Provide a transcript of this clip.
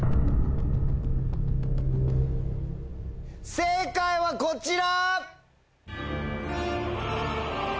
正解はこちら！